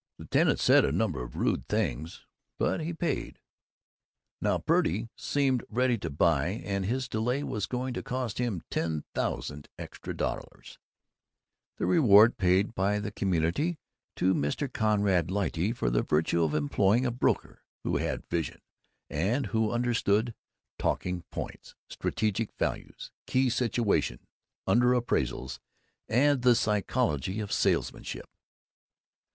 The tenant said a number of rude things, but he paid. Now, Purdy seemed ready to buy, and his delay was going to cost him ten thousand extra dollars the reward paid by the community to Mr. Conrad Lyte for the virtue of employing a broker who had Vision and who understood Talking Points, Strategic Values, Key Situations, Underappraisals, and the Psychology of Salesmanship.